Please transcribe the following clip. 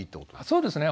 そうですね。